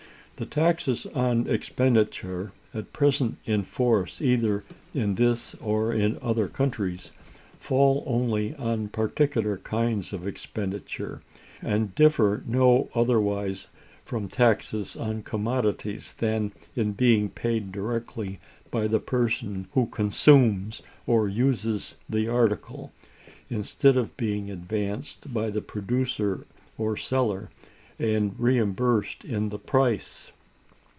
The taxes on expenditure at present in force, either in this or in other countries, fall only on particular kinds of expenditure, and differ no otherwise from taxes on commodities than in being paid directly by the person who consumes or uses the article, instead of being advanced by the producer or seller, and reimbursed in the price.